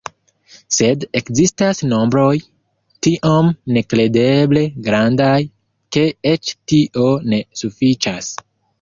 Sed ekzistas nombroj tiom nekredeble grandaj, ke eĉ tio ne sufiĉas.